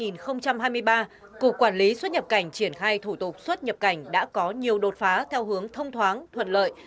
năm hai nghìn hai mươi ba cục quản lý xuất nhập cảnh triển khai thủ tục xuất nhập cảnh đã có nhiều đột phá theo hướng thông thoáng thuận lợi